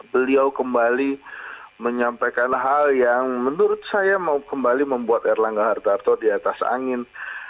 beliau kembali menyampaikan hal yang menurut saya mau kembali membuat erlangga hartarto di atas angin